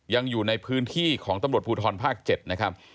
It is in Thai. ยังอยู่ในพื้นที่ของตำรวจภูทรภาค๗นะครับ